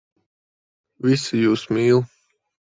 Visi jūs mīl.